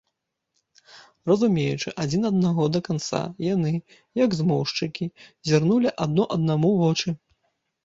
Разумеючы адзін аднаго да канца, яны, як змоўшчыкі, зірнулі адно аднаму ў вочы.